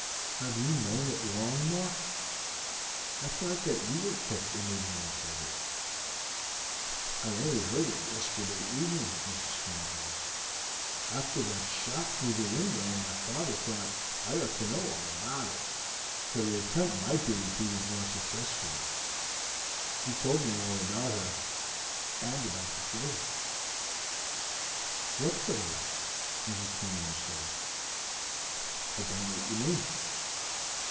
"Have you known it long, Mark? I thought that you were kept in ignorance of it." "I only heard it yesterday evening, Mrs. Cunningham; after that shot through the window my father thought I ought to know all about it, for the attempt might be repeated more successfully. He told me all about her, and about the treasure." "What treasure?" Mrs. Cunningham said. "I don't know what you mean."